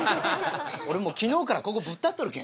俺もう昨日からここぶっ立っとるけ。